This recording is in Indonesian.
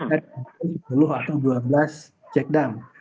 sepuluh atau dua belas cekdam